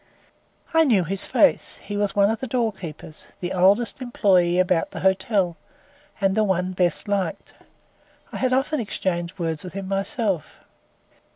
I knew his face. He was one of the doorkeepers; the oldest employee about the hotel, and the one best liked. I had often exchanged words with him myself.